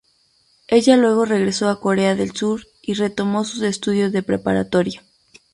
Ella luego regresó a Corea del Sur y retomó sus estudios de preparatoria.